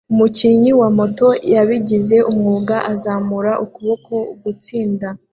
Umukinnyi wa moto wabigize umwuga azamura ukuboko gutsinda